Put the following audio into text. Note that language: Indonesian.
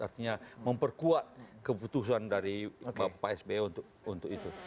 artinya memperkuat keputusan dari pak sby untuk itu